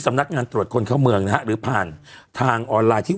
นักงานตรวจคนเข้าเมืองนะฮะหรือผ่านทางออนไลน์ที่